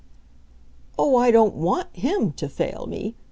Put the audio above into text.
"Oh, I don't want HIM to fail me!"